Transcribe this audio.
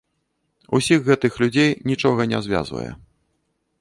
Усіх гэтых людзей нічога не звязвае.